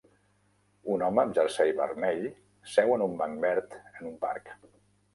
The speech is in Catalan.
Un home amb jersei vermell seu en un banc verd en un parc.